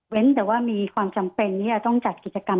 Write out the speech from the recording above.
เว้นแต่ว่ามีความจำเป็นจะจัดกิจกรรม